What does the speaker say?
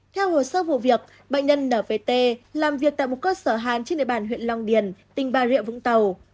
theo hồ sơ vụ việc bệnh nhân nvt làm việc tại một cơ sở hàn trên địa bàn huyện long điền tỉnh bà rịa vũng tàu